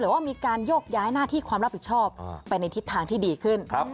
ว่ามีการโยกย้ายหน้าที่ความรับผิดชอบไปในทิศทางที่ดีขึ้น